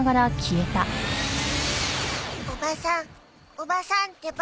おばさんおばさんってば。